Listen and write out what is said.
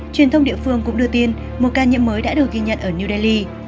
truyền thông địa phương cũng đưa tin một ca nhiễm mới đã được ghi nhận ở new delhi